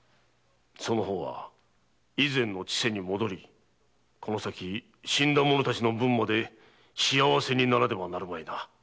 その方は以前の千世に戻りこの先死んだ者たちの分まで幸せにならねばならないな。